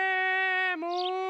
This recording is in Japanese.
もう！